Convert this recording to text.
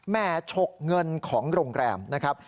ฉกเงินของโรงแรมนะครับ